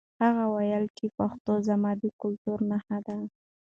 هغه وویل چې پښتو زما د کلتور نښه ده.